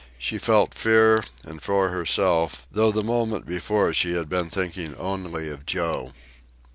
She felt fear, and for herself, though the moment before she had been thinking only of Joe.